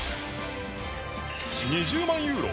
２０万ユーロ